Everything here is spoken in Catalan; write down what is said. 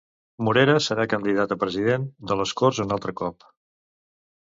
Morera serà candidat a president de les Corts un altre cop.